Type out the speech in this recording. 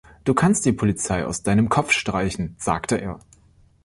„Du kannst die Polizei aus deinem Kopf streichen“, sagte er.